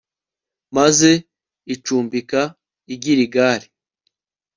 maze icumbika i giligali